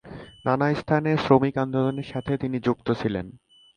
নানা স্থানে শ্রমিক আন্দোলনের সাথে তিনি যুক্ত ছিলেন।